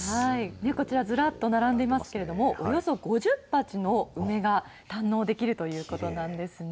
こちら、ずらっと並んでいますけれども、およそ８０鉢の梅が堪能できるということなんですね。